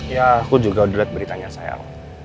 ya aku juga udah liat beritanya sayang